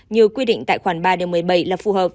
như quy định tại khoảng ba một mươi bảy là phù hợp